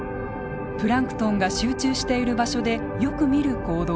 プランクトンが集中している場所でよく見る行動です。